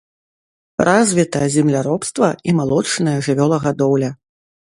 Развіта земляробства і малочная жывёлагадоўля.